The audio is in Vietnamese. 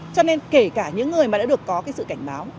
cho nên kể cả những người mà đã được có cái sự cảnh báo